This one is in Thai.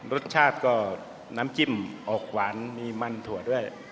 รสชาติก็น้ำจิ้มออกหวานมีมันถั่วด้วย